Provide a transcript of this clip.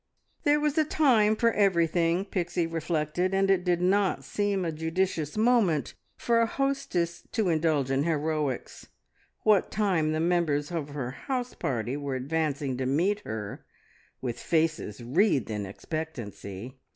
There was a time for everything, Pixie reflected, and it did not seem a judicious moment for a hostess to indulge in heroics, what time the members of her house party were advancing to meet her with faces wreathed in expectancy.